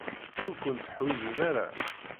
Ur kent-tteḥwijin ara.